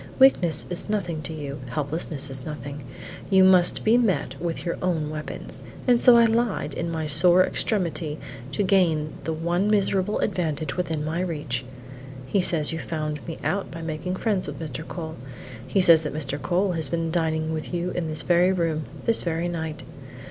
Weakness is nothing to you; helplessness is nothing; you must be met with your own weapons, and so I lied in my sore extremity to gain the one miserable advantage within my reach. He says you found me out by making friends with Mr. Cole. He says that Mr. Cole has been dining with you in this very room, this very night.